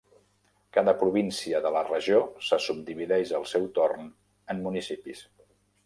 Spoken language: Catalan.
Cada província de la regió se subdivideix al seu torn en municipis.